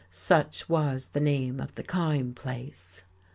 Such was the name of the Kyme place....